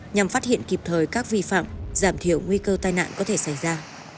nhằm phát hiện kịp thời các vi phạm giảm thiểu nguy cơ tai nạn có thể xảy ra